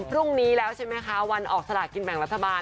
พรุ่งนี้แล้วใช่ไหมคะวันออกสลากินแบ่งรัฐบาล